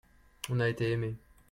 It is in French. on a été aimé.